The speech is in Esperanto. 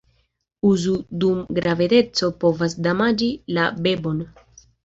Uzo dum gravedeco povas damaĝi la bebon.